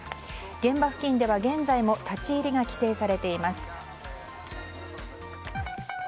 現場付近では現在も立ち入りが規制されています。